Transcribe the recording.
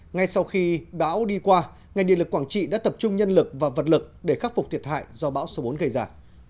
ngay sau khi bão đi qua ngành điện lực quảng trị đã tập trung nhân lực và vật lực để khắc phục thiệt hại do bão số bốn gây ra